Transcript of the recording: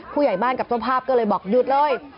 ผู้ใหญ่บ้านกับเจ้าภาพก็เลยบอกหยุดเลย